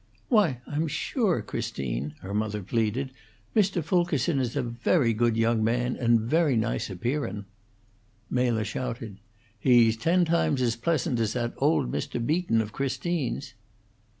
"Why, I'm sure, Christine," her mother pleaded, "Mr. Fulkerson is a very good young man, and very nice appearun'." Mela shouted, "He's ten times as pleasant as that old Mr. Beaton of Christine's!"